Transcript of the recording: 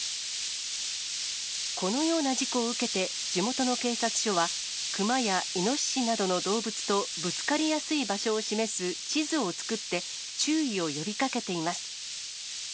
このような事故を受けて、地元の警察署は、クマやイノシシなどの動物とぶつかりやすい場所を示す地図を作って、注意を呼びかけています。